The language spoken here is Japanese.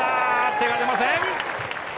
手が出ません。